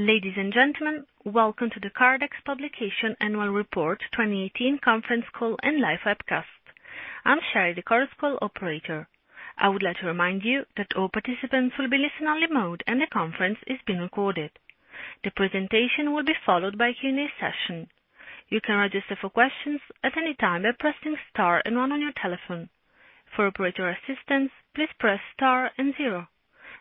Ladies and gentlemen, welcome to the Kardex publication annual report 2018 conference call and live webcast. I am Sherry, the conference call operator. I would like to remind you that all participants will be listen-only mode and the conference is being recorded. The presentation will be followed by a Q&A session. You can register for questions at any time by pressing star and one on your telephone. For operator assistance, please press star and zero.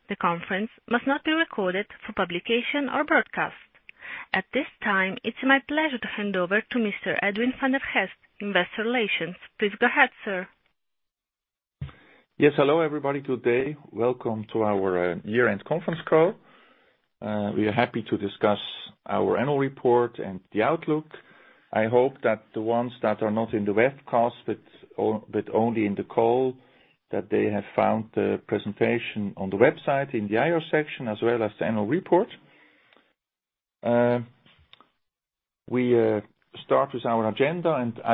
The conference must not be recorded for publication or broadcast. At this time, it is my pleasure to hand over to Mr. Edwin van der Geest, Investor Relations. Please go ahead, sir. Yes. Hello everybody today. Welcome to our year-end conference call. We are happy to discuss our annual report and the outlook. I hope that the ones that are not in the webcast but only in the call, that they have found the presentation on the website in the IR section, as well as the annual report. As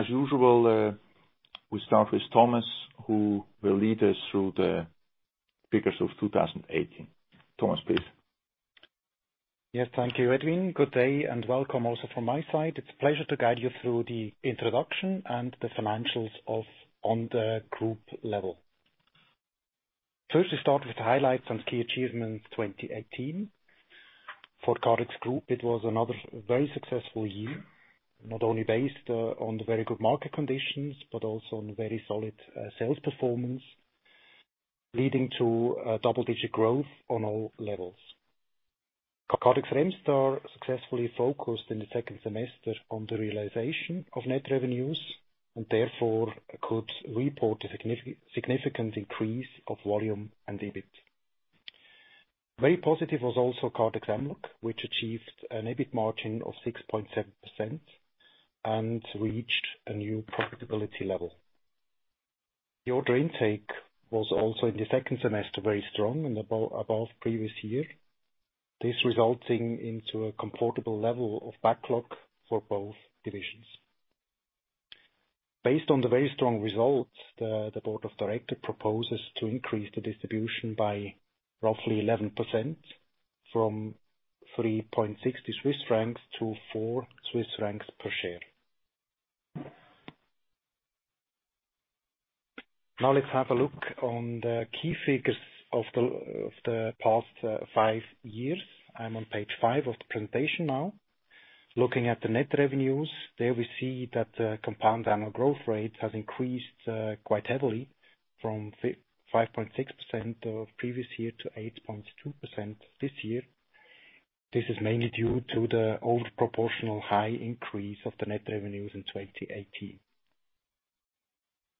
usual, we start with Thomas, who will lead us through the figures of 2018. Thomas, please. Yes. Thank you, Edwin. Good day and welcome also from my side. It is a pleasure to guide you through the introduction and the financials on the group level. First, we start with the highlights and key achievements 2018. For Kardex Group, it was another very successful year, not only based on the very good market conditions, but also on very solid sales performance, leading to double-digit growth on all levels. Kardex Remstar successfully focused in the second semester on the realization of net revenues, and therefore could report a significant increase of volume and EBIT. Very positive was also Kardex Mlog, which achieved an EBIT margin of 6.7% and reached a new profitability level. The order intake was also in the second semester, very strong and above previous year. This resulting into a comfortable level of backlog for both divisions. Based on the very strong results, the Board of Director proposes to increase the distribution by roughly 11%, from 3.60 Swiss francs to 4 Swiss francs per share. Now let us have a look on the key figures of the past five years. I am on page five of the presentation now. Looking at the net revenues, there we see that the compound annual growth rate has increased quite heavily from 5.6% of previous year to 8.2% this year. This is mainly due to the over proportional high increase of the net revenues in 2018.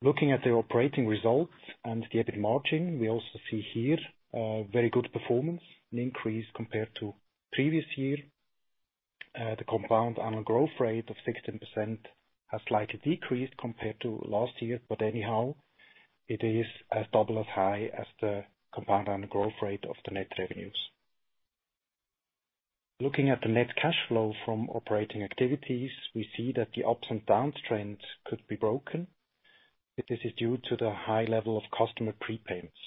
Looking at the operating results and the EBIT margin, we also see here a very good performance, an increase compared to previous year. The compound annual growth rate of 16% has slightly decreased compared to last year, but anyhow, it is as double as high as the compound annual growth rate of the net revenues. Looking at the net cash flow from operating activities, we see that the ups and down trends could be broken. This is due to the high level of customer prepayments.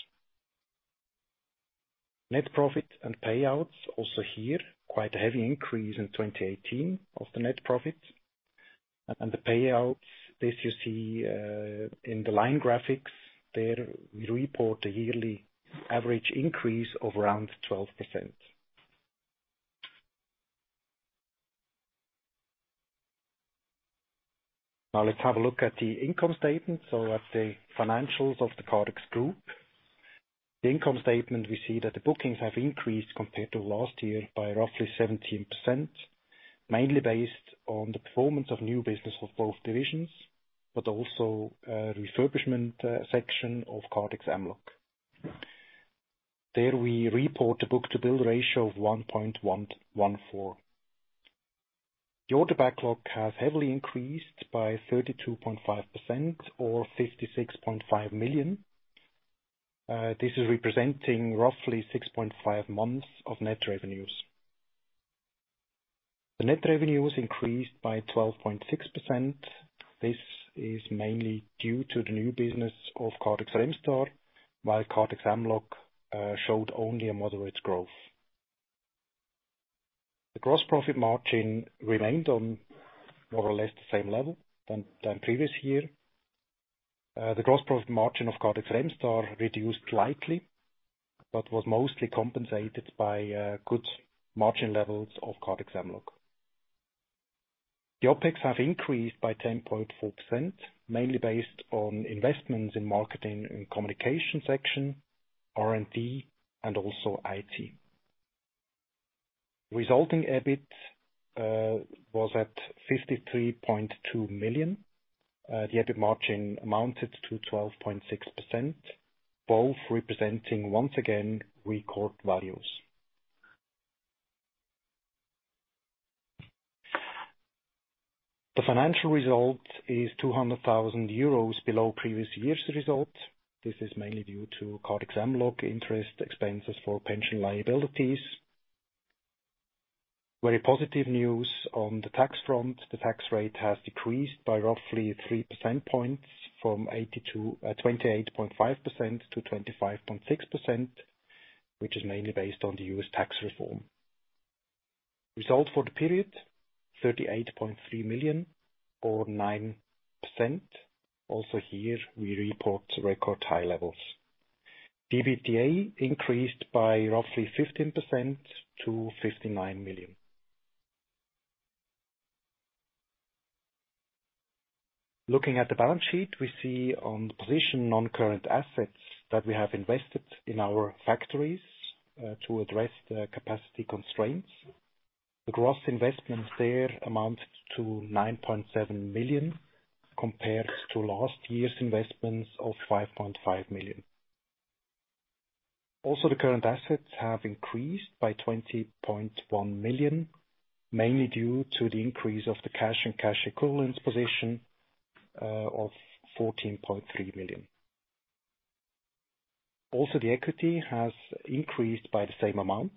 Net profit and payouts, also here, quite a heavy increase in 2018 of the net profit. The payouts, this you see in the line graphics. There, we report a yearly average increase of around 12%. Let's have a look at the income statement. At the financials of the Kardex Group. The income statement, we see that the bookings have increased compared to last year by roughly 17%, mainly based on the performance of new business of both divisions, but also refurbishment section of Kardex Mlog. There we report a book-to-bill ratio of 1.14. The order backlog has heavily increased by 32.5% or 56.5 million. This is representing roughly 6.5 months of net revenues. The net revenues increased by 12.6%. This is mainly due to the new business of Kardex Remstar, while Kardex Mlog showed only a moderate growth. The gross profit margin remained on more or less the same level than previous year. The gross profit margin of Kardex Remstar reduced slightly, but was mostly compensated by good margin levels of Kardex Mlog. The OpEx have increased by 10.4%, mainly based on investments in marketing and communication section, R&D and also IT. Resulting EBIT was at 53.2 million. The EBIT margin amounted to 12.6%, both representing once again record values. The financial result is 200,000 euros below previous year's result. This is mainly due to Kardex Mlog interest expenses for pension liabilities. Very positive news on the tax front. The tax rate has decreased by roughly three percent points from 28.5% to 25.6%, which is mainly based on the US tax reform. Result for the period, 38.3 million or 9%. Also here, we report record high levels. EBITDA increased by roughly 15% to 59 million. Looking at the balance sheet, we see on the position non-current assets that we have invested in our factories to address the capacity constraints. The gross investments there amounted to 9.7 million compared to last year's investments of 5.5 million. The current assets have increased by 20.1 million, mainly due to the increase of the cash and cash equivalence position of 14.3 million. The equity has increased by the same amount,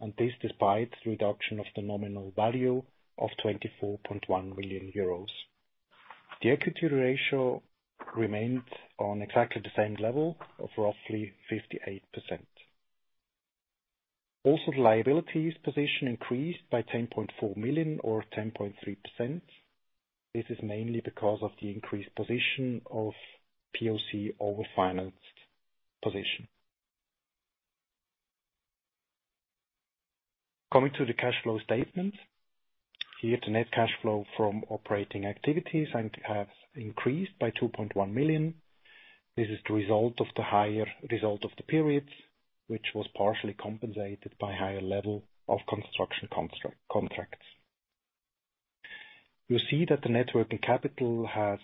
and this despite the reduction of the nominal value of 24.1 million euros. The equity ratio remained on exactly the same level of roughly 58%. The liabilities position increased by 10.4 million or 10.3%. This is mainly because of the increased position of POC over financed position. Coming to the cash flow statement. Here, the net cash flow from operating activities has increased by 2.1 million. This is the result of the higher result of the periods, which was partially compensated by higher level of construction contracts. You see that the net working capital has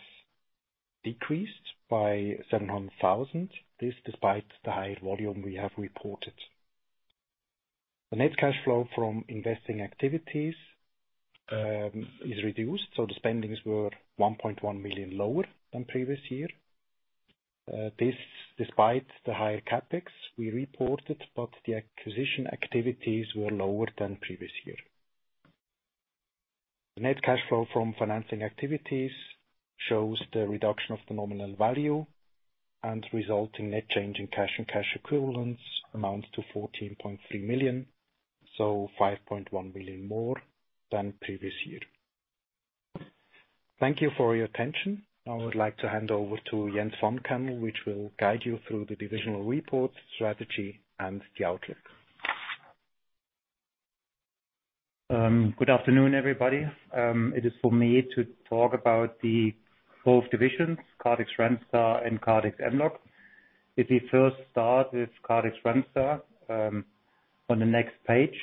decreased by 700,000. This despite the high volume we have reported. The net cash flow from investing activities is reduced, so the spendings were 1.1 million lower than previous year. This despite the higher CapEx we reported, but the acquisition activities were lower than previous year. The net cash flow from financing activities shows the reduction of the nominal value and resulting net change in cash and cash equivalents amounts to 14.3 million, so 5.1 million more than previous year. Thank you for your attention. I would like to hand over to Jens Fankhänel, which will guide you through the divisional report, strategy and the outlook. Good afternoon, everybody. It is for me to talk about both divisions, Kardex Remstar and Kardex Mlog. We first start with Kardex Remstar, on the next page.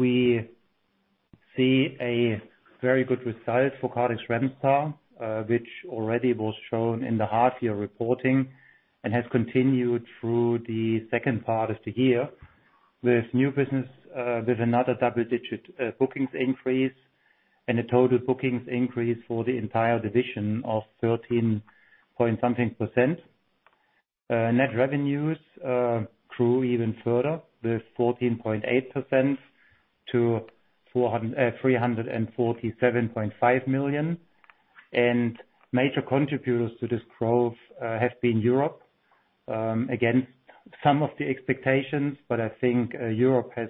We see a very good result for Kardex Remstar, which already was shown in the half-year reporting and has continued through the second part of the year with new business, with another double-digit bookings increase and a total bookings increase for the entire division of 13.something%. Net revenues grew even further with 14.8% to 347.5 million. Major contributors to this growth have been Europe. Again, some of the expectations, I think Europe has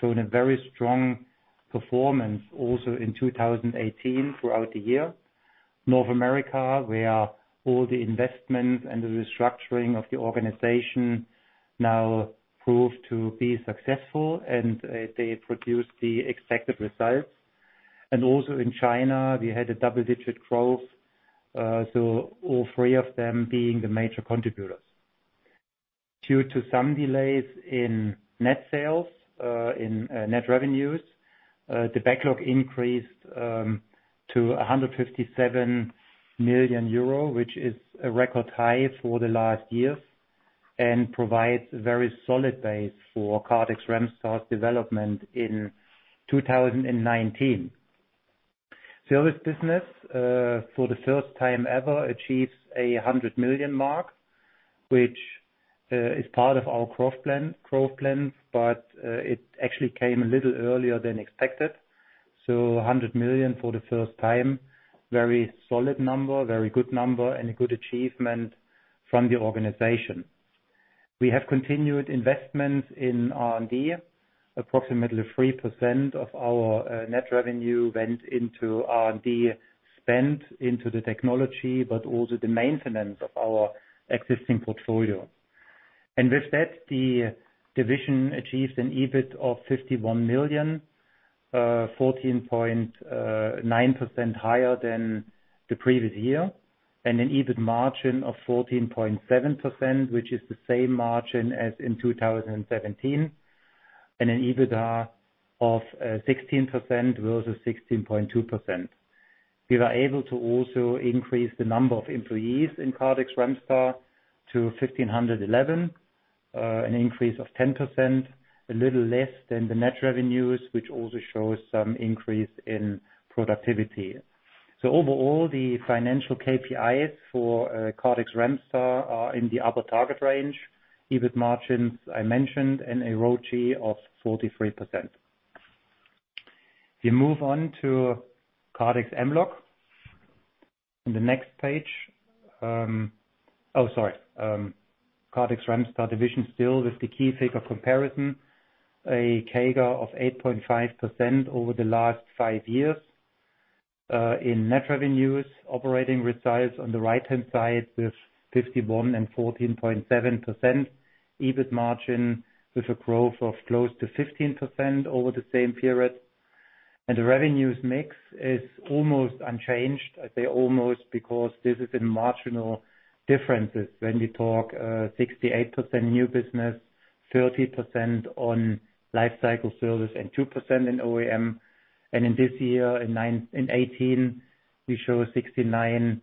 shown a very strong performance also in 2018 throughout the year. North America, where all the investments and the restructuring of the organization now prove to be successful, and they produce the expected results. Also in China, we had a double-digit growth. All three of them being the major contributors. Due to some delays in net sales, in net revenues, the backlog increased to 157 million euro, which is a record high for the last years and provides a very solid base for Kardex Remstar's development in 2019. Service business, for the first time ever, achieves 100 million mark, which is part of our growth plans, but it actually came a little earlier than expected. 100 million for the first time, very solid number, very good number, and a good achievement from the organization. We have continued investments in R&D. Approximately 3% of our net revenue went into R&D spend into the technology, but also the maintenance of our existing portfolio. With that, the division achieved an EBIT of 51 million, 14.9% higher than the previous year, and an EBIT margin of 14.7%, which is the same margin as in 2017, and an EBITDA of 16% versus 16.2%. We were able to also increase the number of employees in Kardex Remstar to 1,511, an increase of 10%, a little less than the net revenues, which also shows some increase in productivity. Overall, the financial KPIs for Kardex Remstar are in the upper target range. EBIT margins, I mentioned, and a ROCE of 43%. We move on to Kardex Mlog. On the next page. Oh, sorry. Kardex Remstar division still with the key figure comparison, a CAGR of 8.5% over the last five years, in net revenues, operating results on the right-hand side with 51 and 14.7%. EBIT margin with a growth of close to 15% over the same period. The revenues mix is almost unchanged. I say almost because this is in marginal differences when we talk 68% new business, 30% on Life Cycle Service, and 2% in OEM. In this year, in 2018, we show 69%,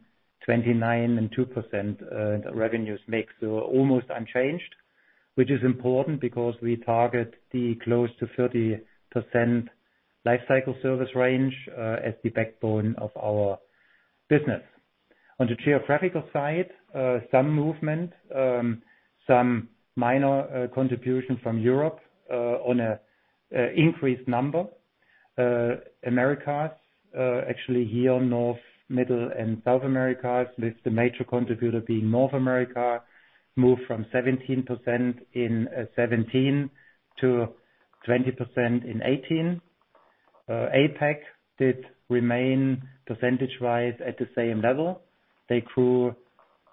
29%, and 2% revenues mix. Almost unchanged, which is important because we target the close to 30% Life Cycle Service range, as the backbone of our business. On the geographical side, some movement, some minor contribution from Europe, on increased numbers. Americas, actually here, North, Middle, and South Americas, with the major contributor being North America, moved from 17% in 2017 to 20% in 2018. APAC did remain percentage-wise at the same level. They grew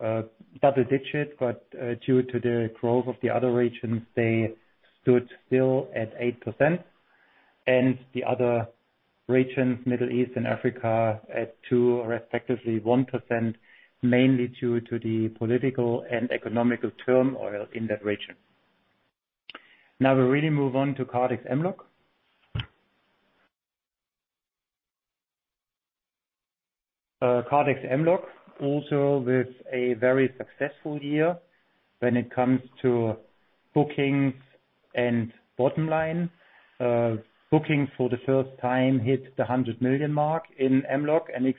double digit, but due to the growth of the other regions, they stood still at 8%. The other regions, Middle East and Africa, at 2% or effectively 1%, mainly due to the political and economic turmoil in that region. We really move on to Kardex Mlog. Kardex Mlog, also with a very successful year when it comes to bookings and bottom line. Bookings for the first time hit the 100 million mark in Mlog, and it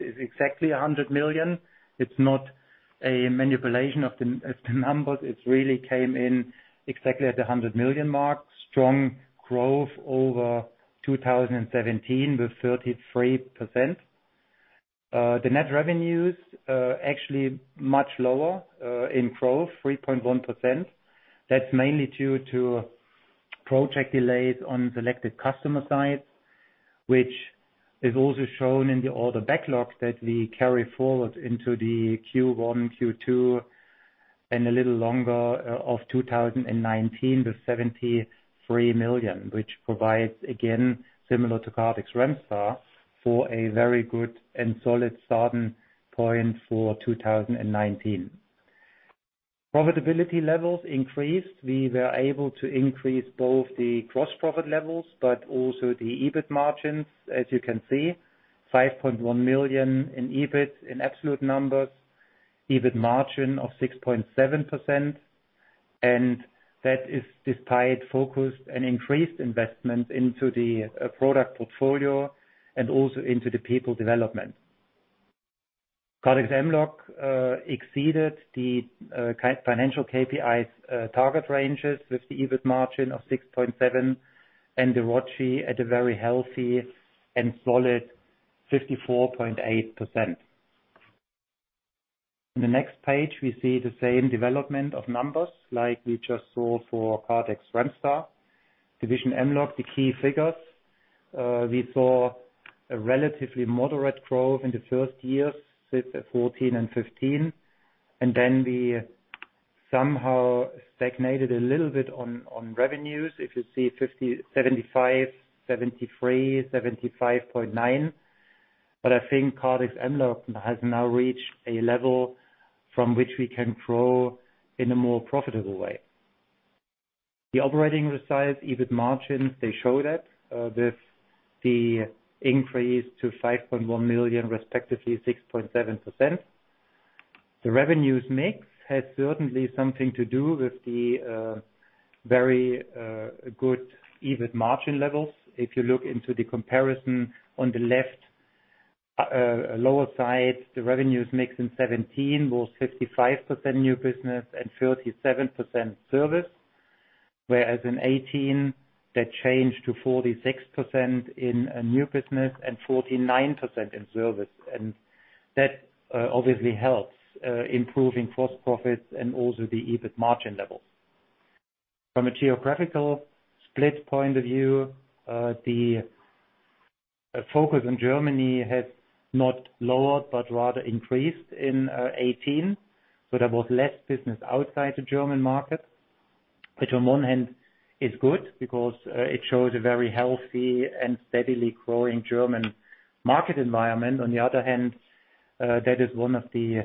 is exactly 100 million. It is not a manipulation of the numbers. It really came in exactly at the 100 million mark. Strong growth over 2017 with 33%. The net revenues are actually much lower in growth, 3.1%. That is mainly due to project delays on selected customer sites, which is also shown in the order backlogs that we carry forward into the Q1, Q2, and a little longer of 2019, the 73 million, which provides, again, similar to Kardex Remstar, for a very good and solid starting point for 2019. Profitability levels increased. We were able to increase both the gross profit levels but also the EBIT margins, as you can see. 5.1 million in EBIT in absolute numbers. EBIT margin of 6.7%. That is despite focused and increased investment into the product portfolio and also into the people development. Kardex Mlog exceeded the financial KPIs, target ranges with the EBIT margin of 6.7% and the ROCE at a very healthy and solid 54.8%. On the next page, we see the same development of numbers like we just saw for Kardex Remstar. Division Mlog, the key figures. We saw a relatively moderate growth in the first years with 2014 and 2015, then we somehow stagnated a little bit on revenues. If you see 75, 73, 75.9. I think Kardex Mlog has now reached a level from which we can grow in a more profitable way. The operating results, EBIT margins, they show that, with the increase to 5.1 million, respectively 6.7%. The revenues mix has certainly something to do with the very good EBIT margin levels. If you look into the comparison on the left, lower side, the revenues mix in 2017 was 55% new business and 37% service. Whereas in 2018, that changed to 46% in new business and 49% in service. That obviously helps, improving gross profits and also the EBIT margin levels. From a geographical split point of view, the focus on Germany has not lowered, but rather increased in 2018. There was less business outside the German market, which on one hand is good because it shows a very healthy and steadily growing German market environment. On the other hand, that is one of the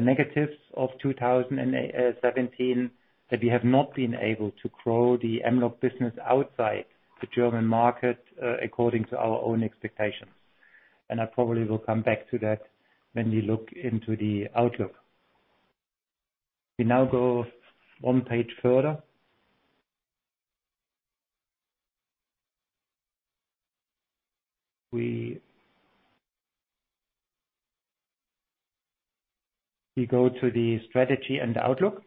negatives of 2017, that we have not been able to grow the Mlog business outside the German market, according to our own expectations. I probably will come back to that when we look into the outlook. We now go one page further. We go to the strategy and outlook.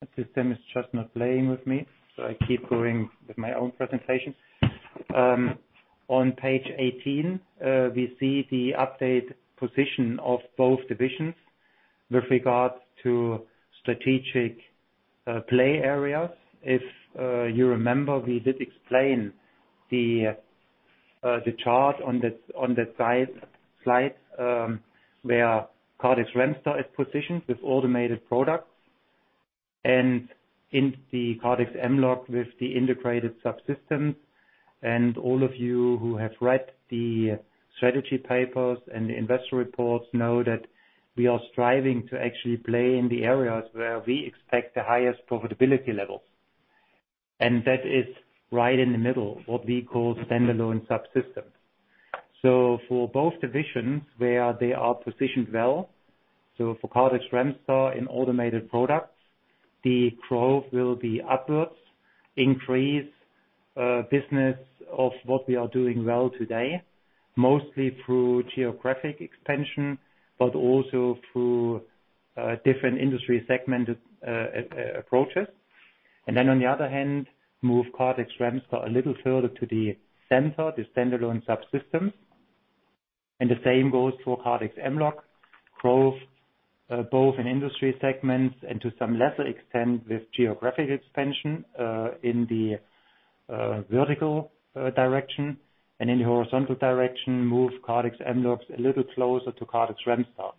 The system is just not playing with me, so I keep going with my own presentation. On page 18, we see the updated position of both divisions with regards to strategic play areas. If you remember, we did explain the chart on that slide, where Kardex Remstar is positioned with automated products, and in the Kardex Mlog with the integrated subsystems. All of you who have read the strategy papers and the investor reports know that we are striving to actually play in the areas where we expect the highest profitability levels. That is right in the middle, what we call standalone subsystems. For both divisions, where they are positioned well. For Kardex Remstar in automated products, the growth will be upwards, increase business of what we are doing well today, mostly through geographic expansion, but also through different industry segmented approaches. On the other hand, move Kardex Remstar a little further to the center, the standalone subsystems. The same goes for Kardex Mlog. Growth, both in industry segments and to some lesser extent with geographic expansion, in the vertical direction. In the horizontal direction, move Kardex Mlog a little closer to Kardex Remstar.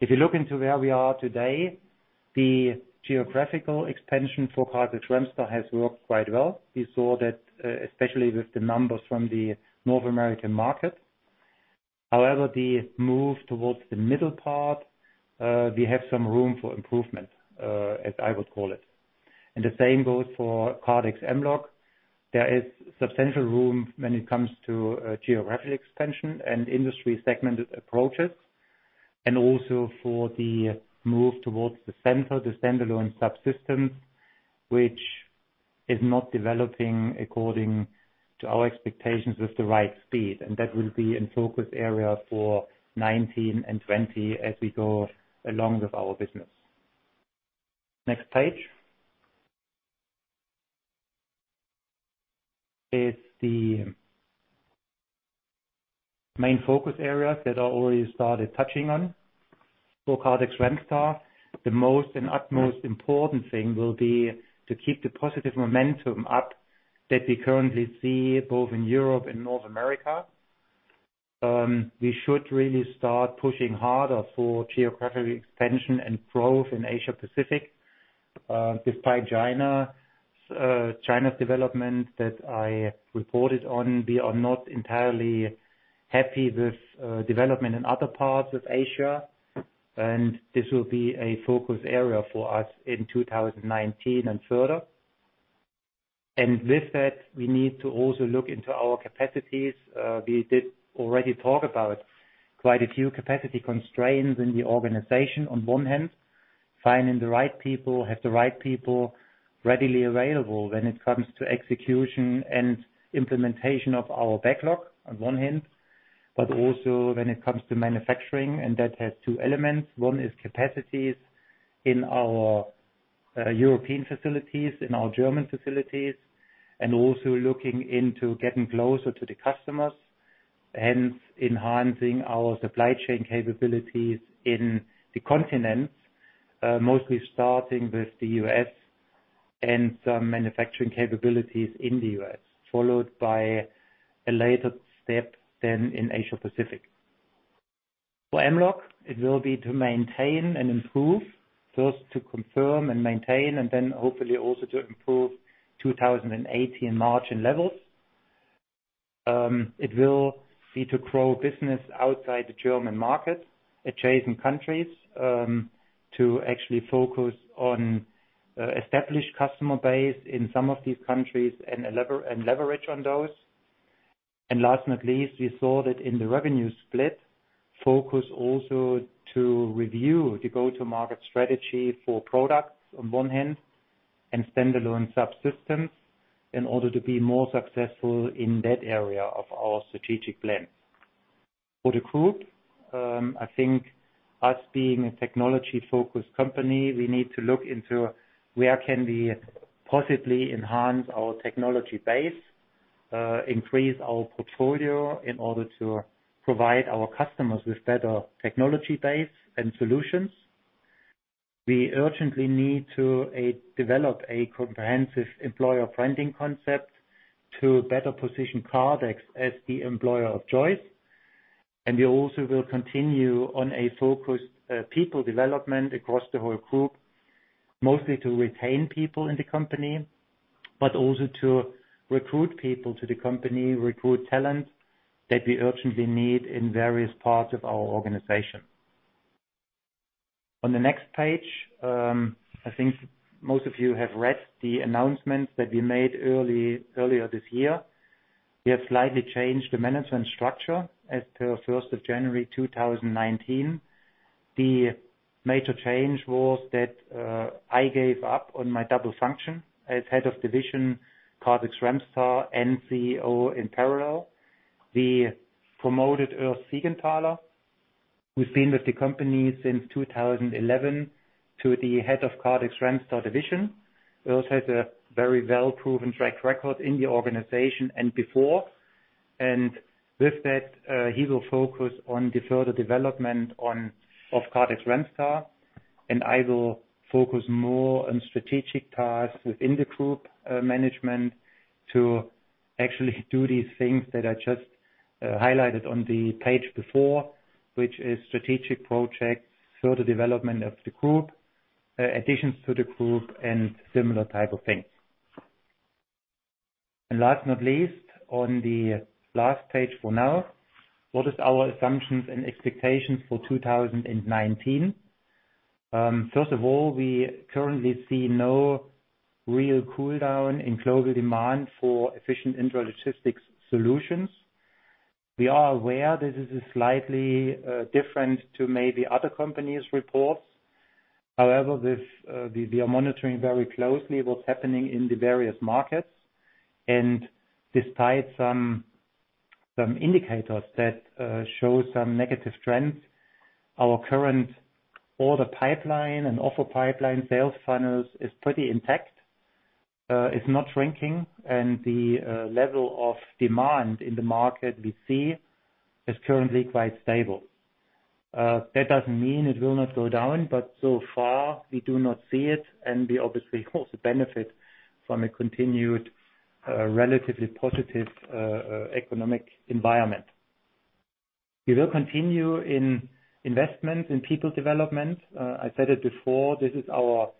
If you look into where we are today, the geographical expansion for Kardex Remstar has worked quite well. We saw that, especially with the numbers from the North American market. However, the move towards the middle part, we have some room for improvement, as I would call it. The same goes for Kardex Mlog. There is substantial room when it comes to geographic expansion and industry segmented approaches, and also for the move towards the center, the standalone subsystems, which is not developing according to our expectations with the right speed. That will be a focus area for 2019 and 2020 as we go along with our business. Next page. Is the main focus areas that I already started touching on. For Kardex Remstar, the most and utmost important thing will be to keep the positive momentum up that we currently see both in Europe and North America. We should really start pushing harder for geographic expansion and growth in Asia Pacific. Despite China's development that I reported on, we are not entirely happy with development in other parts of Asia, this will be a focus area for us in 2019 and further. With that, we need to also look into our capacities. We did already talk about quite a few capacity constraints in the organization on one hand, finding the right people, have the right people readily available when it comes to execution and implementation of our backlog on one hand, but also when it comes to manufacturing, and that has two elements. One is capacities in our European facilities, in our German facilities, and also looking into getting closer to the customers, hence enhancing our supply chain capabilities in the continents. Mostly starting with the U.S. and some manufacturing capabilities in the U.S., followed by a later step than in Asia Pacific. For Mlog, it will be to maintain and improve. First to confirm and maintain, then hopefully also to improve 2018 margin levels. It will be to grow business outside the German market, adjacent countries, to actually focus on established customer base in some of these countries and leverage on those. Last not least, we saw that in the revenue split, focus also to review the go-to-market strategy for products on one hand and standalone subsystems in order to be more successful in that area of our strategic plans. For the group, I think us being a technology-focused company, we need to look into where can we possibly enhance our technology base, increase our portfolio in order to provide our customers with better technology base and solutions. We urgently need to develop a comprehensive employer branding concept to better position Kardex as the employer of choice. We also will continue on a focused people development across the whole group, mostly to retain people in the company, but also to recruit people to the company, recruit talent that we urgently need in various parts of our organization. On the next page, I think most of you have read the announcements that we made earlier this year. We have slightly changed the management structure as per 1st of January 2019. The major change was that I gave up on my double function as Head of Division, Kardex Remstar and CEO in parallel. We promoted Urs Siegenthaler, who has been with the company since 2011, to the Head of Kardex Remstar Division. Urs has a very well proven track record in the organization and before. With that, he will focus on the further development of Kardex Remstar, and I will focus more on strategic tasks within the group management to actually do these things that I just highlighted on the page before, which is strategic projects, further development of the group, additions to the group, and similar type of things. Last not least, on the last page for now, what is our assumptions and expectations for 2019? First of all, we currently see no real cooldown in global demand for efficient intralogistics solutions. We are aware this is slightly different to maybe other companies' reports. However, we are monitoring very closely what is happening in the various markets, and despite some indicators that show some negative trends, our current order pipeline and offer pipeline sales funnels is pretty intact. It is not shrinking, the level of demand in the market we see is currently quite stable. That does not mean it will not go down, but so far we do not see it, and we obviously also benefit from a continued, relatively positive economic environment. We will continue in investment in people development. I said it before, this is our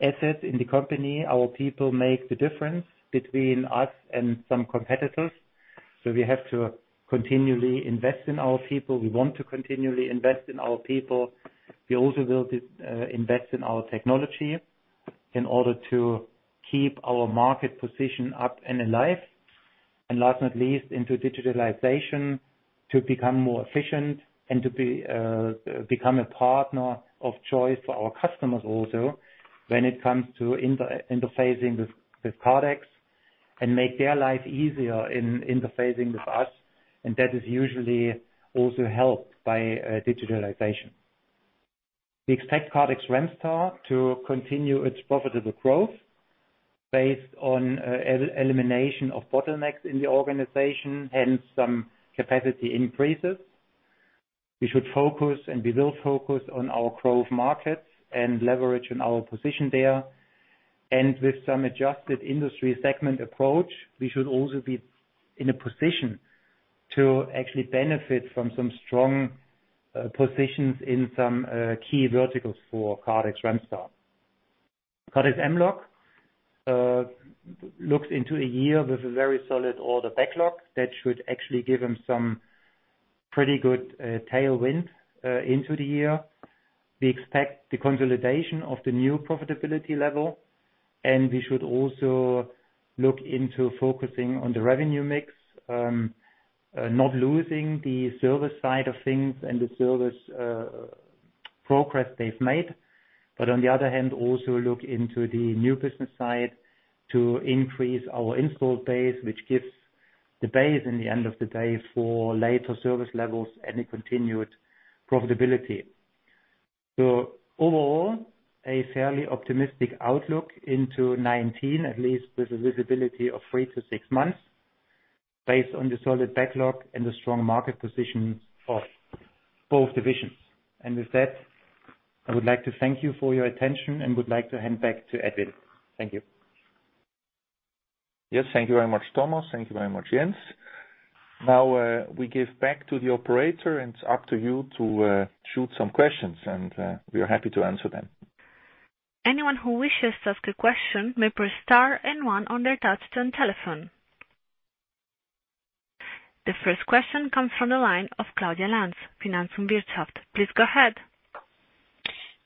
asset in the company. Our people make the difference between us and some competitors. We have to continually invest in our people. We want to continually invest in our people. We also will invest in our technology in order to keep our market position up and alive. Last not least, into digitalization to become more efficient and to become a partner of choice for our customers also when it comes to interfacing with Kardex and make their life easier in interfacing with us, and that is usually also helped by digitalization. We expect Kardex Remstar to continue its profitable growth based on elimination of bottlenecks in the organization, hence some capacity increases. We should focus and we will focus on our growth markets and leverage in our position there. With some adjusted industry segment approach, we should also be in a position to actually benefit from some strong positions in some key verticals for Kardex Remstar. Kardex Mlog looks into a year with a very solid order backlog that should actually give them some pretty good tailwind into the year. We expect the consolidation of the new profitability level. We should also look into focusing on the revenue mix, not losing the service side of things and the service progress they've made, but on the other hand, also look into the new business side to increase our install base, which gives the base in the end of the day for later service levels and a continued profitability. Overall, a fairly optimistic outlook into 2019, at least with a visibility of three to six months based on the solid backlog and the strong market position of both divisions. With that, I would like to thank you for your attention and would like to hand back to Edwin. Thank you. Yes. Thank you very much, Thomas. Thank you very much, Jens. Now, we give back to the operator. It's up to you to shoot some questions. We are happy to answer them. Anyone who wishes to ask a question may press star one on their touch-tone telephone. The first question comes from the line of Claudia Lanz, Finanz und Wirtschaft. Please go ahead.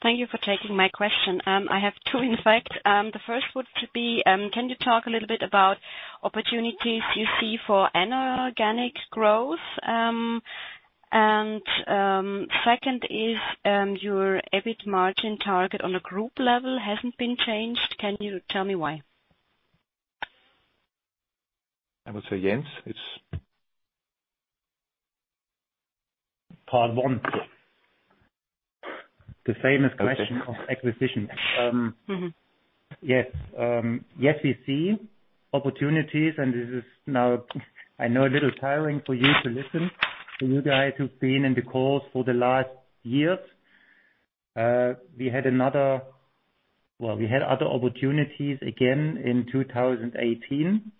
Thank you for taking my question. I have two, in fact. The first would be, can you talk a little bit about opportunities you see for inorganic growth? Second is, your EBIT margin target on a group level hasn't been changed. Can you tell me why? I would say Jens, it's. Part one. The famous question of acquisition. Yes, we see opportunities, and this is now, I know, a little tiring for you to listen, for you guys who've been in the calls for the last years. We had other opportunities again in 2018,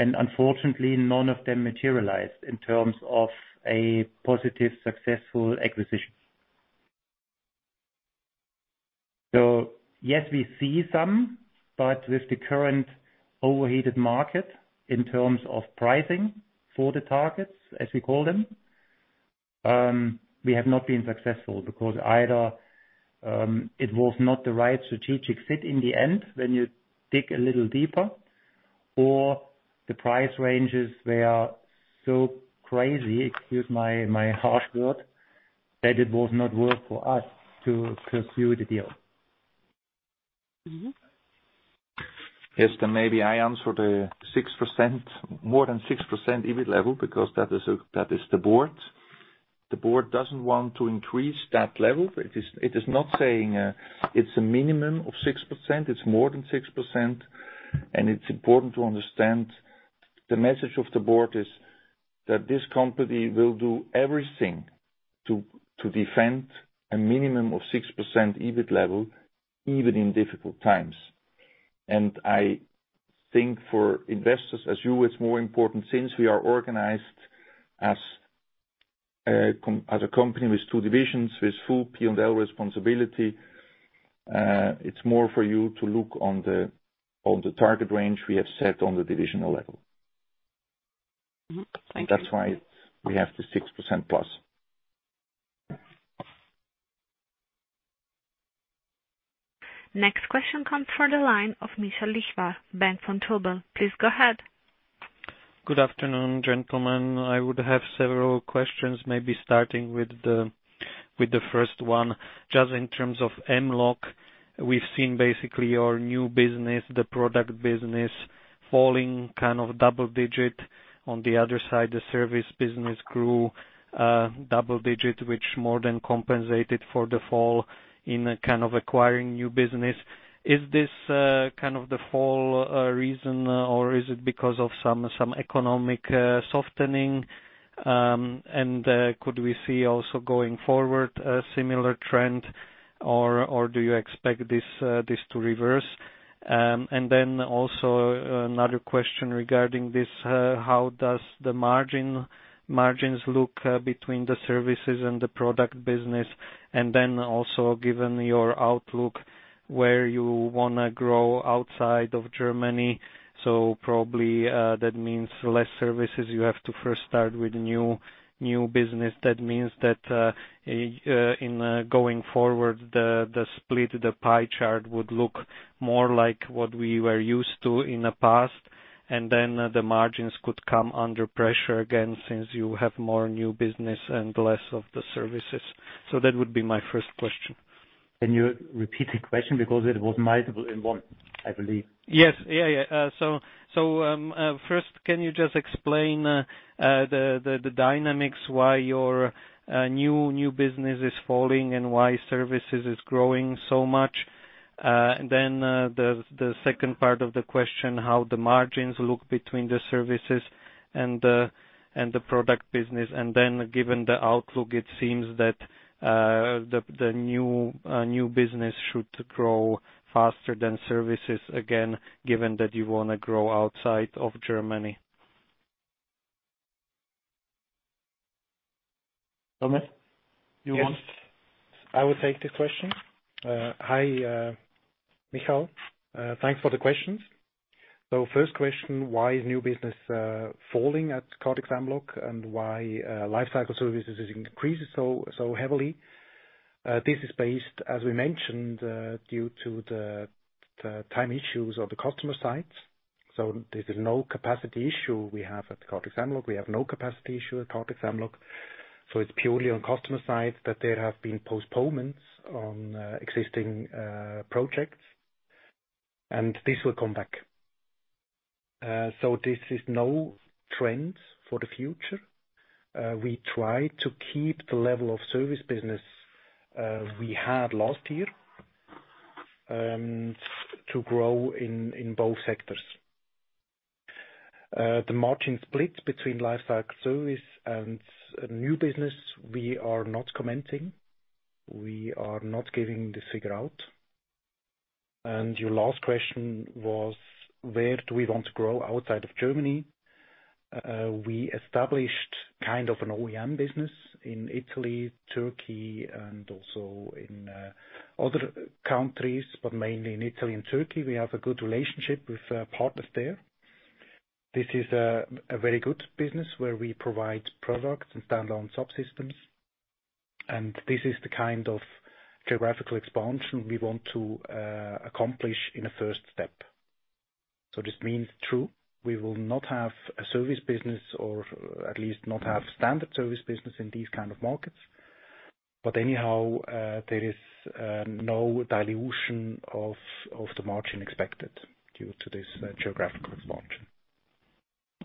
unfortunately none of them materialized in terms of a positive successful acquisition. Yes, we see some, but with the current overheated market in terms of pricing for the targets, as we call them, we have not been successful because either it was not the right strategic fit in the end when you dig a little deeper, or the price ranges were so crazy, excuse my harsh word, that it was not worth for us to pursue the deal. Maybe I answer the 6%, more than 6% EBIT level, because that is the board. The board doesn't want to increase that level. It is not saying it's a minimum of 6%. It's more than 6%. It's important to understand the message of the board is that this company will do everything to defend a minimum of 6% EBIT level, even in difficult times. I think for investors, as you, it's more important, since we are organized as a company with two divisions, with full P&L responsibility, it's more for you to look on the target range we have set on the divisional level. Mm-hmm. Thank you. That's why we have the 6% plus. Next question comes from the line of Michal Lichvar, Bank Vontobel. Please go ahead. Good afternoon, gentlemen. I would have several questions, maybe starting with the first one. Just in terms of Mlog, we've seen basically your new business, the product business, falling double digit. On the other side, the service business grew double digit, which more than compensated for the fall in acquiring new business. Is this the fall reason, or is it because of some economic softening? Could we see also going forward a similar trend? Do you expect this to reverse? Also another question regarding this. How does the margins look between the services and the product business? Also given your outlook, where you want to grow outside of Germany. Probably that means less services. You have to first start with new business. That means that in going forward, the split, the pie chart would look more like what we were used to in the past, the margins could come under pressure again, since you have more new business and less of the services. That would be my first question. Can you repeat the question? It was multiple in one, I believe. Yes. First, can you just explain the dynamics why your new business is falling and why services is growing so much? The second part of the question, how the margins look between the services and the product business? Given the outlook, it seems that the new business should grow faster than services again, given that you want to grow outside of Germany. Thomas, you want- Yes. I will take this question. Hi, Michal. Thanks for the questions. First question, why is new business falling at Kardex Mlog and why Life Cycle Service is increasing so heavily? This is based, as we mentioned, due to the time issues of the customer sites. There is no capacity issue we have at Kardex Mlog. We have no capacity issue at Kardex Mlog. It's purely on customer side that there have been postponements on existing projects, and this will come back. This is no trend for the future. We try to keep the level of service business we had last year, to grow in both sectors. The margin split between Life Cycle Service and new business, we are not commenting. We are not giving this figure out. Your last question was, where do we want to grow outside of Germany? We established kind of an OEM business in Italy, Turkey, and also in other countries, but mainly in Italy and Turkey. We have a good relationship with partners there. This is a very good business where we provide products and standalone subsystems. This is the kind of geographical expansion we want to accomplish in a first step. This means true, we will not have a service business, or at least not have standard service business in these kind of markets. Anyhow, there is no dilution of the margin expected due to this geographical expansion.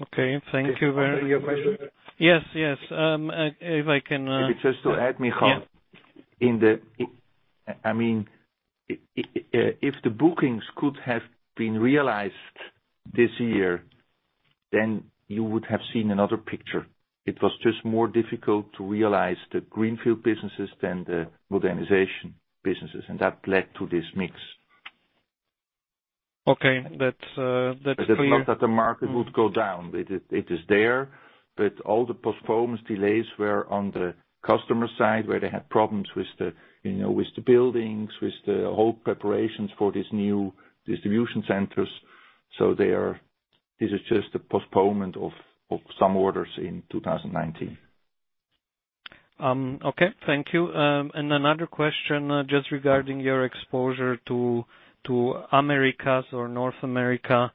Okay. Thank you. Does that cover your question? Yes. If it's just to add, Michal. Yeah. If the bookings could have been realized this year, then you would have seen another picture. It was just more difficult to realize the greenfield businesses than the modernization businesses, and that led to this mix. Okay. That's clear. It's not that the market would go down. It is there, but all the postponements, delays, were on the customer side, where they had problems with the buildings, with the whole preparations for these new distribution centers. This is just a postponement of some orders in 2019. Okay. Thank you. Another question just regarding your exposure to Americas or North America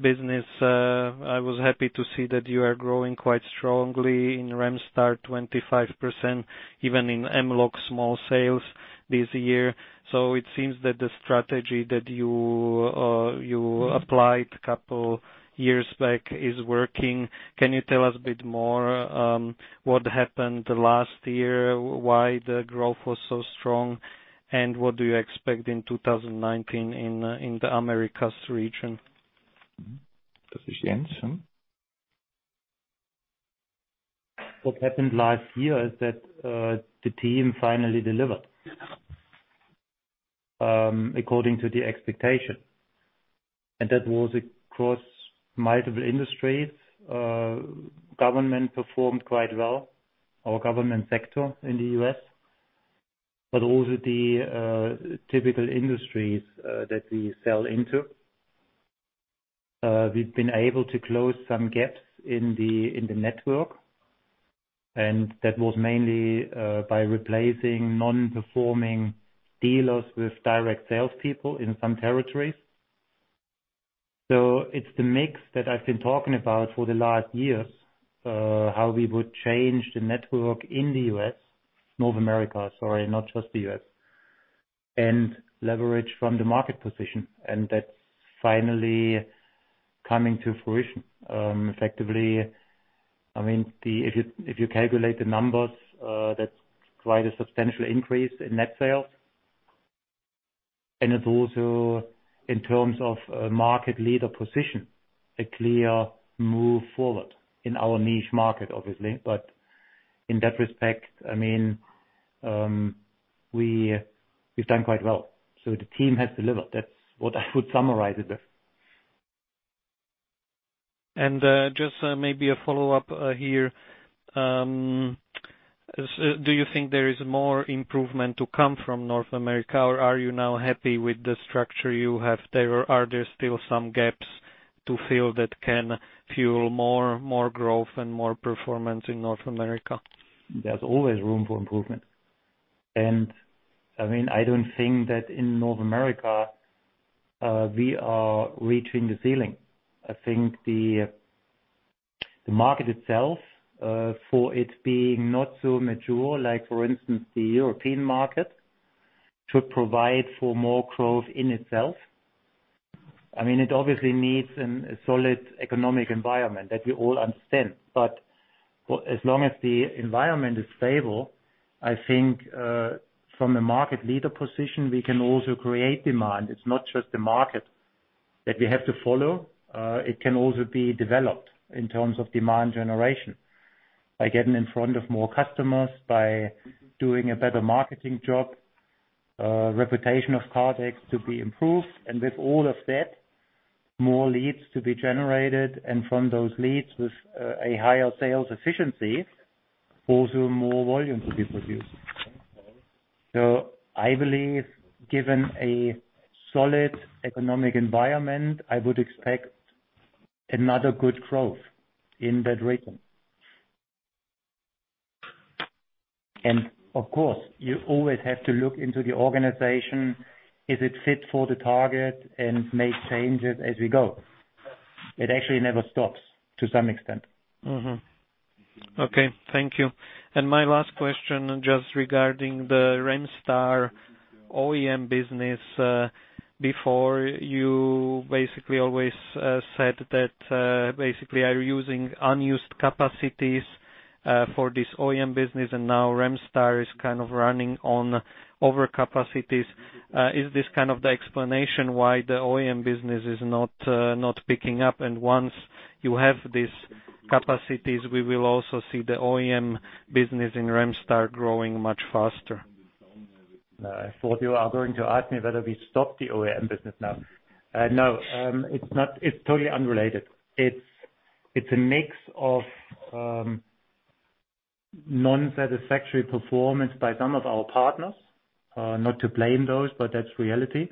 business. I was happy to see that you are growing quite strongly in Remstar, 25%, even in Mlog small sales this year. It seems that the strategy that you applied a couple years back is working. Can you tell us a bit more what happened the last year, why the growth was so strong, and what do you expect in 2019 in the Americas region? This is Jens. What happened last year is that the team finally delivered according to the expectation. That was across multiple industries. Government performed quite well, our government sector in the U.S., also the typical industries that we sell into. We've been able to close some gaps in the network, that was mainly by replacing non-performing dealers with direct salespeople in some territories. It's the mix that I've been talking about for the last years, how we would change the network in the U.S., North America, sorry, not just the U.S., and leverage from the market position. That's finally coming to fruition. Effectively, if you calculate the numbers, that's quite a substantial increase in net sales. It's also, in terms of a market leader position, a clear move forward in our niche market, obviously. In that respect, we've done quite well. The team has delivered. That's what I would summarize it with. Just maybe a follow-up here. Do you think there is more improvement to come from North America, or are you now happy with the structure you have there? Are there still some gaps to fill that can fuel more growth and more performance in North America? There's always room for improvement. I don't think that in North America, we are reaching the ceiling. I think the market itself, for it being not so mature, like for instance, the European market, should provide for more growth in itself. It obviously needs a solid economic environment. That we all understand. As long as the environment is stable, I think, from a market leader position, we can also create demand. It's not just the market that we have to follow. It can also be developed in terms of demand generation by getting in front of more customers, by doing a better marketing job, reputation of Kardex to be improved, and with all of that, more leads to be generated, and from those leads, with a higher sales efficiency, also more volume to be produced. I believe, given a solid economic environment, I would expect another good growth in that region. Of course, you always have to look into the organization. Is it fit for the target and make changes as we go? It actually never stops to some extent. Mm-hmm. Okay. Thank you. My last question, just regarding the Remstar OEM business. Before you basically always said that basically are using unused capacities for this OEM business, and now Remstar is kind of running on over capacities. Is this kind of the explanation why the OEM business is not picking up, and once you have these capacities, we will also see the OEM business in Remstar growing much faster? No, I thought you are going to ask me whether we stopped the OEM business now. No. It's totally unrelated. It's a mix of non-satisfactory performance by some of our partners. Not to blame those, but that's reality.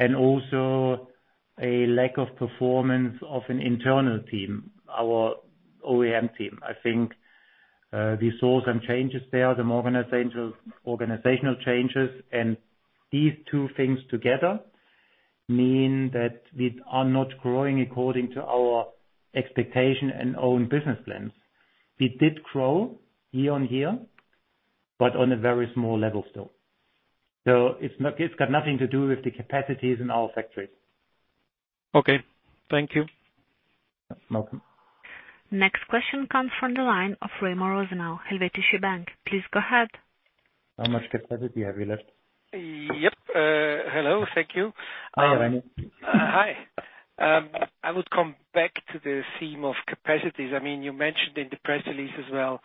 Also a lack of performance of an internal team, our OEM team. I think we saw some changes there, some organizational changes. These two things together mean that we are not growing according to our expectation and own business plans. We did grow year-over-year, but on a very small level still. It's got nothing to do with the capacities in our factories. Okay. Thank you. You're welcome. Next question comes from the line of Remo Rosenau, Helvetische Bank. Please go ahead. How much capacity have you left? Yep. Hello. Thank you. Hi, Remo. Hi. I would come back to the theme of capacities. You mentioned in the press release as well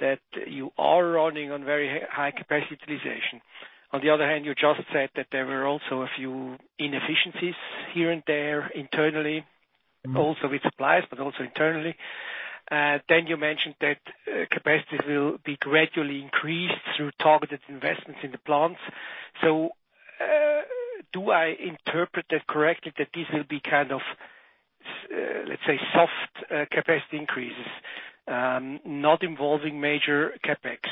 that you are running on very high capacity utilization. On the other hand, you just said that there were also a few inefficiencies here and there internally, also with suppliers, but also internally. You mentioned that capacities will be gradually increased through targeted investments in the plants. Do I interpret that correctly that this will be, let's say, soft capacity increases, not involving major CapEx?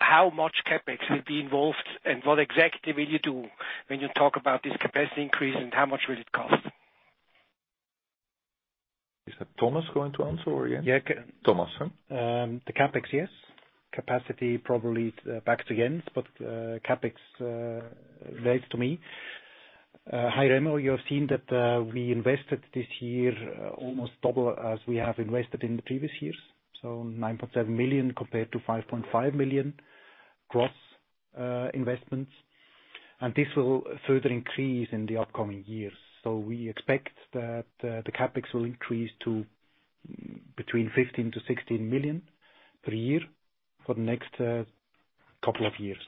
How much CapEx will be involved, and what exactly will you do when you talk about this capacity increase, and how much will it cost? Is that Thomas going to answer or Jens? Yeah. Thomas, huh? The CapEx, yes. Capacity, probably back to Jens, but CapEx relates to me. Hi, Remo. You have seen that we invested this year almost double as we have invested in the previous years, so 9.7 million compared to 5.5 million gross investments. This will further increase in the upcoming years. We expect that the CapEx will increase to between 15 million-16 million per year for the next couple of years.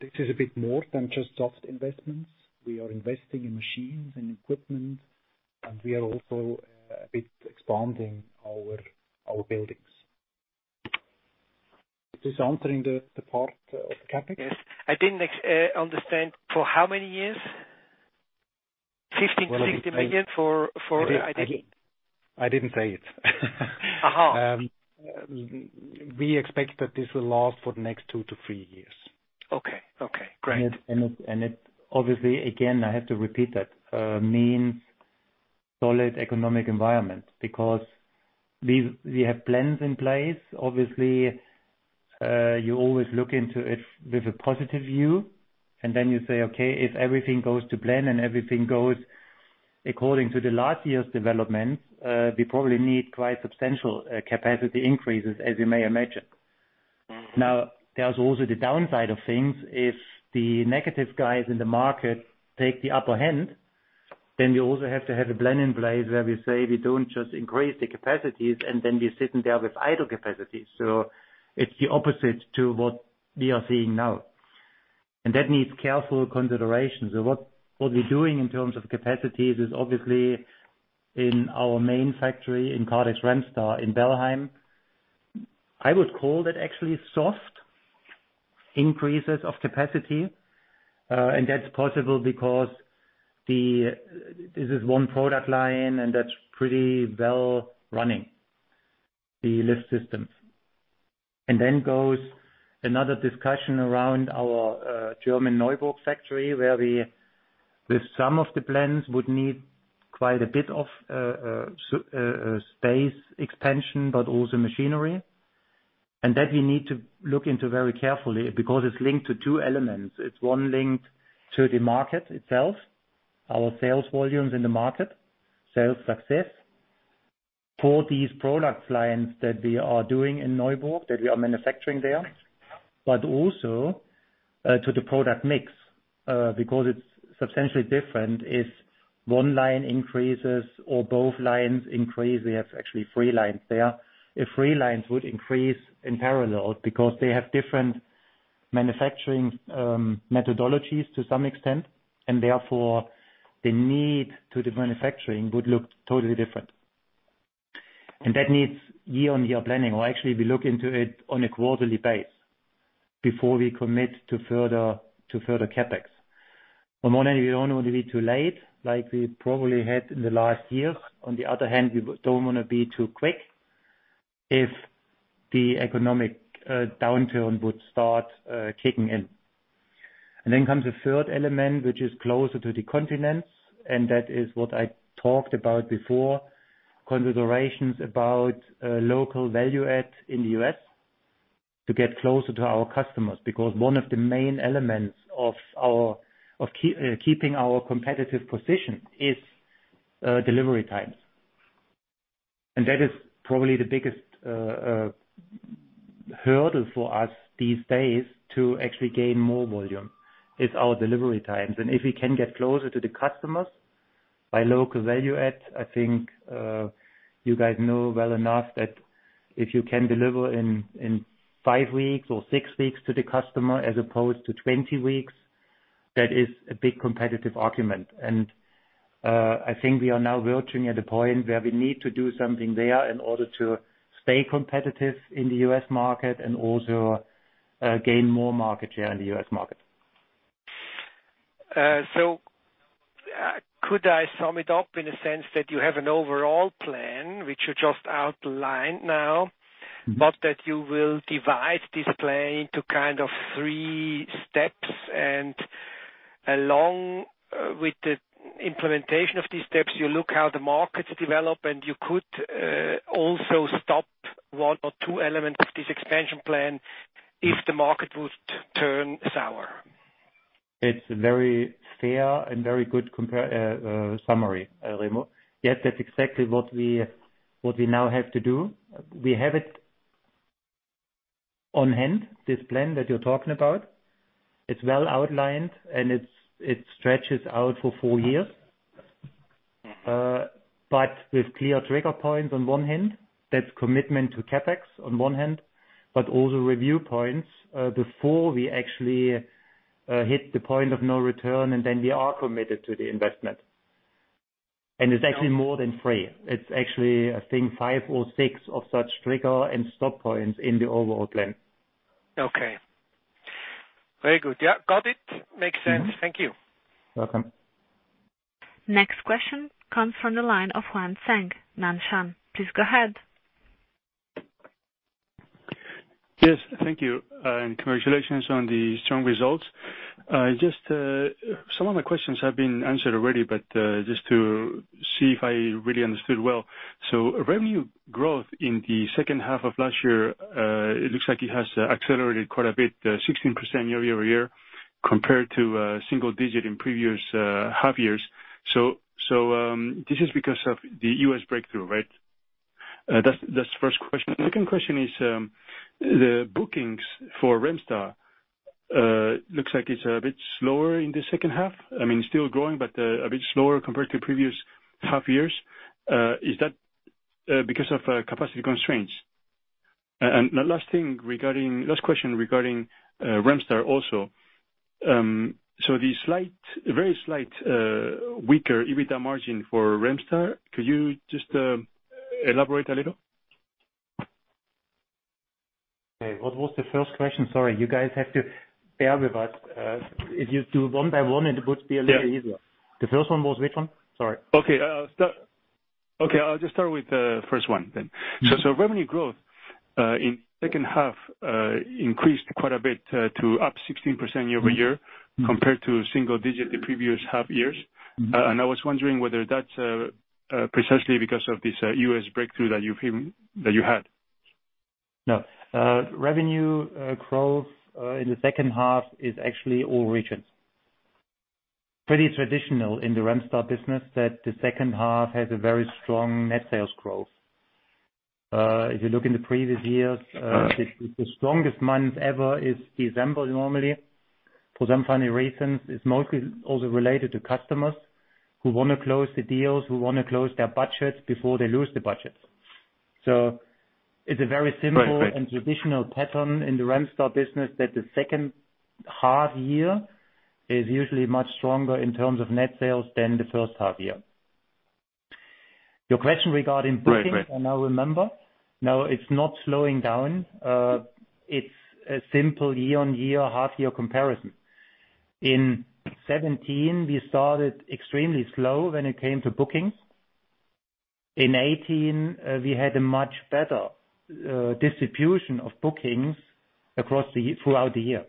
This is a bit more than just soft investments. We are investing in machines and equipment, and we are also a bit expanding our buildings. Is this answering the part of CapEx? Yes. I didn't understand for how many years, CHF 15 million-CHF 16 million for. I didn't say it. Aha. We expect that this will last for the next two to three years. Okay. Great. It, obviously, again, I have to repeat that, means solid economic environment because we have plans in place. Obviously, you always look into it with a positive view, then you say, okay, if everything goes to plan and everything goes according to the last year's developments, we probably need quite substantial capacity increases, as you may imagine. There's also the downside of things. If the negative guys in the market take the upper hand, then we also have to have a plan in place where we say we don't just increase the capacities and then we're sitting there with idle capacities. It's the opposite to what we are seeing now. That needs careful consideration. What we're doing in terms of capacities is obviously in our main factory in Kardex Remstar in Bellheim. I would call that actually soft increases of capacity. That's possible because this is one product line, and that's pretty well running, the lift systems. Then goes another discussion around our German Neuburg factory, where we, with some of the plans, would need quite a bit of space expansion, but also machinery. That we need to look into very carefully because it's linked to two elements. It's one linked to the market itself, our sales volumes in the market, sales success for these product lines that we are doing in Neuburg, that we are manufacturing there, but also to the product mix, because it's substantially different if one line increases or both lines increase. We have actually three lines there. If three lines would increase in parallel, because they have different manufacturing methodologies to some extent, and therefore the need to the manufacturing would look totally different. That needs year-on-year planning, or actually we look into it on a quarterly base before we commit to further CapEx. On one hand, we don't want to be too late like we probably had in the last years. On the other hand, we don't want to be too quick if the economic downturn would start kicking in. Then comes a third element, which is closer to the continents, and that is what I talked about before, considerations about local value add in the U.S. to get closer to our customers, because one of the main elements of keeping our competitive position is delivery times. That is probably the biggest hurdle for us these days to actually gain more volume, is our delivery times. If we can get closer to the customers by local value add, I think you guys know well enough that if you can deliver in five weeks or six weeks to the customer as opposed to 20 weeks, that is a big competitive argument. I think we are now reaching at a point where we need to do something there in order to stay competitive in the U.S. market and also gain more market share in the U.S. market. Could I sum it up in a sense that you have an overall plan, which you just outlined now? That you will divide this plan into kind of three steps, and along with the implementation of these steps, you look how the markets develop, and you could also stop one or two elements of this expansion plan if the market would turn sour? It's a very fair and very good summary, Remo. Yes, that's exactly what we now have to do. We have it on hand, this plan that you're talking about. It's well outlined, and it stretches out for four years. With clear trigger points on one hand, that's commitment to CapEx on one hand. All the review points, before we actually hit the point of no return, and then we are committed to the investment. It's actually more than three. It's actually, I think, five or six of such trigger and stop points in the overall plan. Okay. Very good. Yeah, got it. Makes sense. Thank you. Welcome. Next question comes from the line of Huan Tseng, Nan Shan. Please go ahead. Yes. Thank you. Congratulations on the strong results. Some of my questions have been answered already, but just to see if I really understood well. Revenue growth in the second half of last year, it looks like it has accelerated quite a bit, 16% year-over-year, compared to single digit in previous half years. This is because of the U.S. breakthrough, right? That's the first question. Second question is, the bookings for Remstar, looks like it's a bit slower in the second half. Still growing, but a bit slower compared to previous half years. Is that because of capacity constraints? The last question regarding Remstar also. The very slight weaker EBITDA margin for Remstar, could you just elaborate a little? Okay. What was the first question? Sorry. You guys have to bear with us. If you do one by one, it would be a little easier. The first one was which one? Sorry. Okay. I'll just start with the first one then. Revenue growth, in second half, increased quite a bit to up 16% year-over-year compared to single digit the previous half years. I was wondering whether that's precisely because of this U.S. breakthrough that you had. No. Revenue growth in the second half is actually all regions. Pretty traditional in the Remstar business that the second half has a very strong net sales growth. If you look in the previous years, the strongest month ever is December normally, for some funny reasons, it's mostly also related to customers who want to close the deals, who want to close their budgets before they lose the budgets. It's a very simple- Right. - and traditional pattern in the Remstar business that the second half year is usually much stronger in terms of net sales than the first half year. Your question regarding bookings- Right. I now remember. No, it's not slowing down. It's a simple year-on-year, half-year comparison. In 2017, we started extremely slow when it came to bookings. In 2018, we had a much better distribution of bookings throughout the year.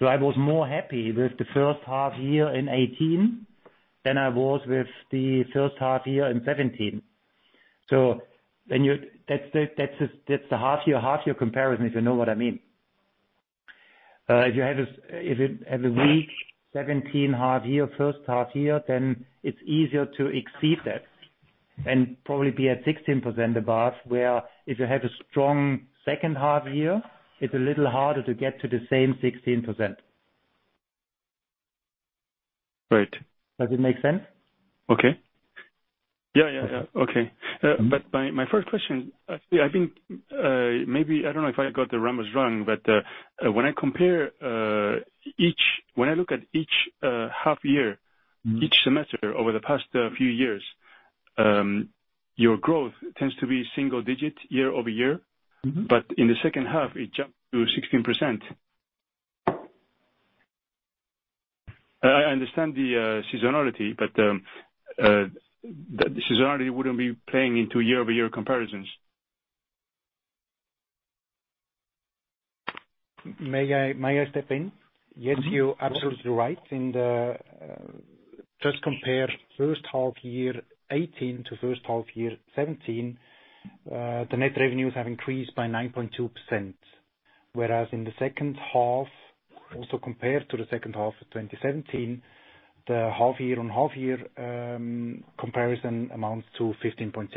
I was more happy with the first half year in 2018 than I was with the first half year in 2017. That's the half-year comparison, if you know what I mean. If you have a weak 2017 first half year, then it's easier to exceed that and probably be at 16% above, where if you have a strong second half year, it's a little harder to get to the same 16%. Right. Does it make sense? Okay. Yeah. Okay. My first question, actually, I don't know if I got the numbers wrong, but when I look at each half year, each semester over the past few years, your growth tends to be single-digit year-over-year. In the second half, it jumped to 16%. I understand the seasonality, but the seasonality wouldn't be playing into year-over-year comparisons. May I step in? Yes, you are absolutely right. Just compare first half year 2018 to first half year 2017, the net revenues have increased by 9.2%. Whereas in the second half, also compared to the second half of 2017, the half-year-on-half-year comparison amounts to 15.6%.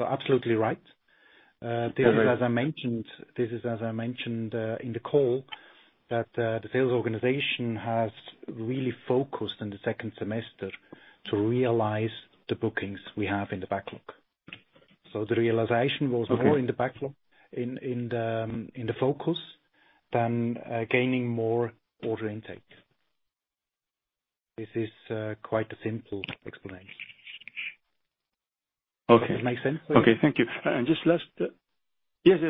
Absolutely right. This is as I mentioned in the call, that the sales organization has really focused on the second semester to realize the bookings we have in the backlog. The realization was more in the focus than gaining more order intake. This is quite a simple explanation. Okay. Does it make sense? Okay. Thank you. Yes,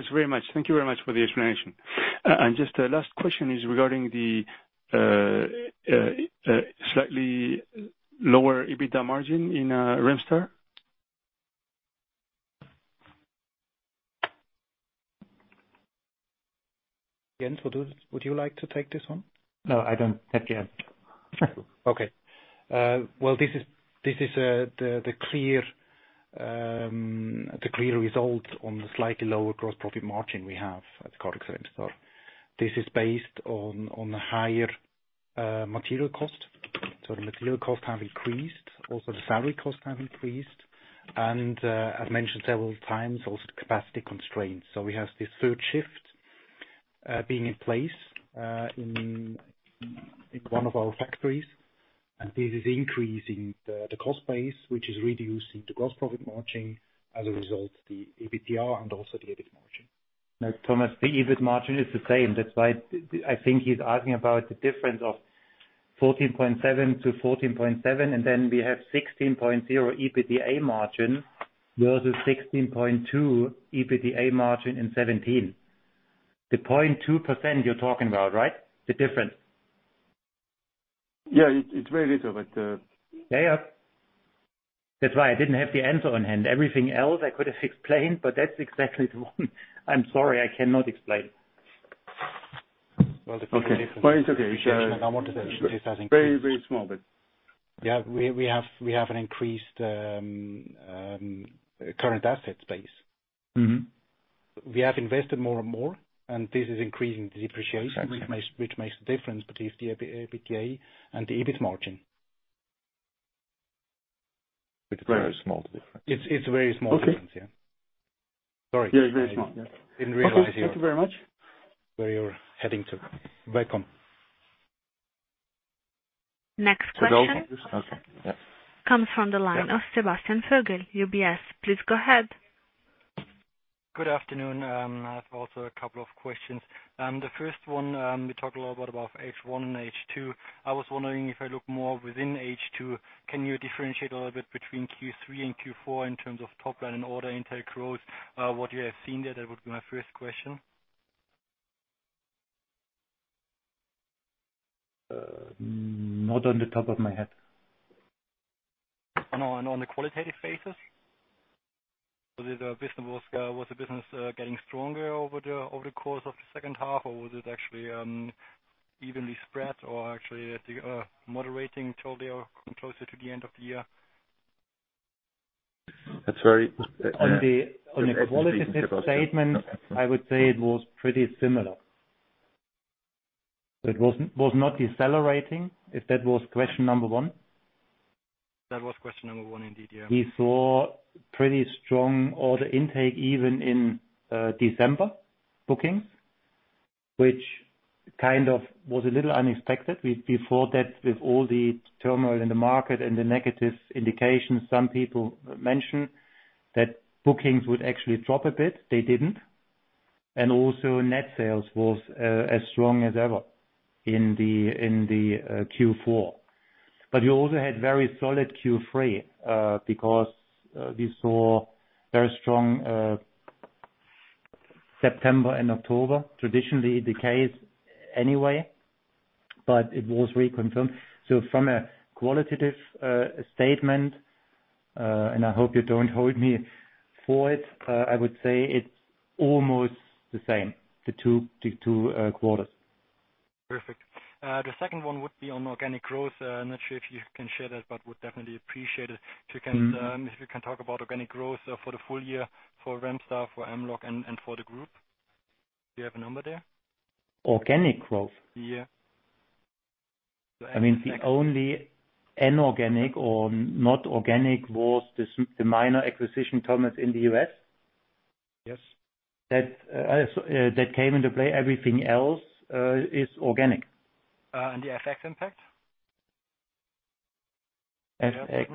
thank you very much for the explanation. Just the last question is regarding the slightly lower EBITDA margin in Remstar. Jens, would you like to take this one? No, I don't. Take it. Okay. Well, this is the clear result on the slightly lower gross profit margin we have at Kardex Remstar. This is based on the higher material cost. The material cost have increased, also the salary cost have increased, and I've mentioned several times, also the capacity constraints. We have this third shift Being in place in one of our factories. This is increasing the cost base, which is reducing the gross profit margin as a result, the EBITDA and also the EBIT margin. No, Thomas, the EBIT margin is the same. That's why I think he's asking about the difference of 14.7%-14.7%, and then we have 16.0% EBITDA margin versus 16.2% EBITDA margin in 2017. The 0.2% you're talking about, right? The difference. Yeah, it's very little. Yeah. That's why I didn't have the answer on hand. Everything else I could have explained, but that's exactly the one I'm sorry, I cannot explain. Well, Okay. It's okay. Very small, but Yeah, we have an increased current asset base. We have invested more and more, and this is increasing the depreciation. Exactly which makes a difference between the EBITDA and the EBIT margin. It's a very small difference. It's a very small difference. Okay. Yeah. Sorry. Yeah, very small. Yeah. Didn't realize. Okay, thank you very much where you were heading to. Welcome. Next question. Okay, yeah. The next question comes from the line of Sebastian Vogel, UBS. Please go ahead. Good afternoon. I have also a couple of questions. The first one, we talked a lot about H1 and H2. I was wondering if I look more within H2, can you differentiate a little bit between Q3 and Q4 in terms of top line and order intake growth, what you have seen there? That would be my first question. Not on the top of my head. No, on the qualitative phases? Was the business getting stronger over the course of the second half, or was it actually evenly spread or actually at the moderating till they are closer to the end of the year? On the qualitative statement, I would say it was pretty similar. It was not decelerating, if that was question number 1. That was question one indeed. We saw pretty strong order intake even in December bookings, which kind of was a little unexpected. We thought that with all the turmoil in the market and the negative indications, some people mentioned that bookings would actually drop a bit. They didn't. Also net sales was as strong as ever in the Q4. You also had very solid Q3, because we saw very strong September and October. Traditionally the case anyway, but it was reconfirmed. From a qualitative statement, and I hope you don't hold me for it, I would say it's almost the same, the two quarters. Perfect. The second one would be on organic growth. I am not sure if you can share that, I would definitely appreciate it. If you can talk about organic growth for the full year for Remstar, for Mlog, and for the Group. Do you have a number there? Organic growth? Yeah. The only inorganic or not organic was the minor acquisition Terminals in the U.S. Yes. That came into play. Everything else is organic. The FX impact? FX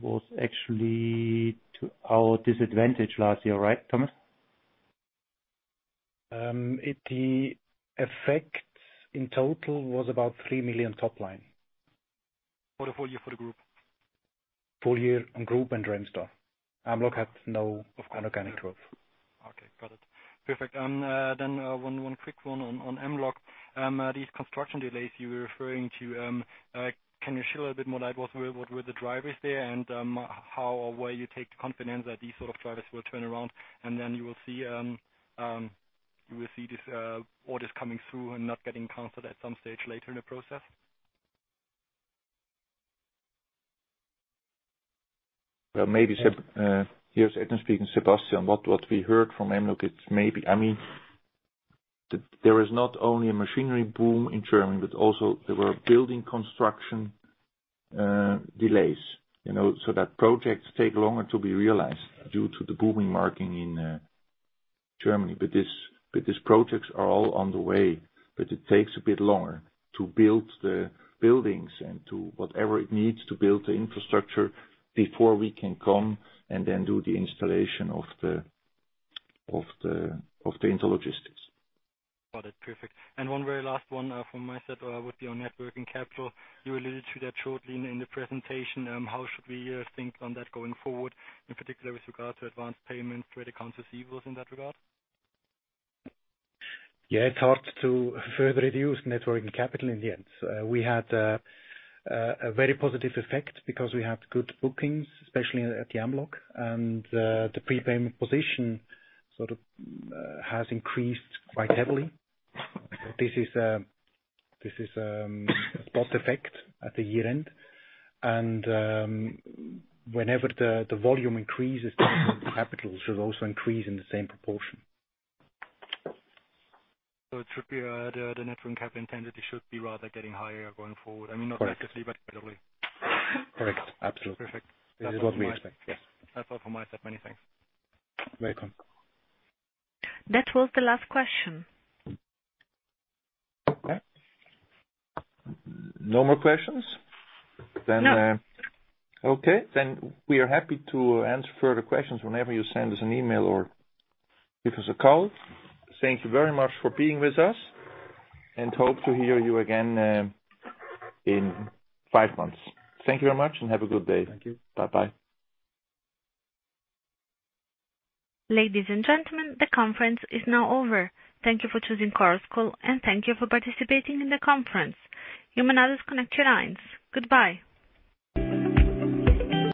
was actually to our disadvantage last year, right Thomas? The effect in total was about 3 million top line. For the full year for the group? Full year on group and Remstar. Mlog had no inorganic growth. Okay, got it. Perfect. One quick one on Mlog. These construction delays you were referring to, can you shed a little bit more light what were the drivers there and how or where you take the confidence that these sort of drivers will turn around and then you will see orders coming through and not getting canceled at some stage later in the process? Well, maybe, here's Edwin speaking. Sebastian, what we heard from Mlog, it's maybe. There is not only a machinery boom in Germany, but also there were building construction delays. That projects take longer to be realized due to the booming market in Germany. These projects are all on the way, but it takes a bit longer to build the buildings and to whatever it needs to build the infrastructure before we can come and then do the installation of the intralogistics. Got it. Perfect. One very last one from my side would be on net working capital. You alluded to that shortly in the presentation. How should we think on that going forward, in particular with regard to advanced payments, trade accounts receivables in that regard? Yeah, it's hard to further reduce net working capital in the end. We had a very positive effect because we had good bookings, especially at the Mlog, the prepayment position sort of has increased quite heavily. This is a spot effect at the year-end. Whenever the volume increases, the capital should also increase in the same proportion. It should be the net working capital intended should be rather getting higher going forward. I mean, not massively, but generally. Correct. Absolutely. Perfect. This is what we expect, yes. That's all from my side. Many thanks. Welcome. That was the last question. Okay. No more questions? No. Okay. We are happy to answer further questions whenever you send us an email or give us a call. Thank you very much for being with us, and hope to hear you again in five months. Thank you very much and have a good day. Thank you. Bye. Bye. Ladies and gentlemen, the conference is now over. Thank you for choosing Chorus Call, and thank you for participating in the conference. You may now disconnect your lines. Goodbye.